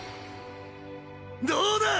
どうだ！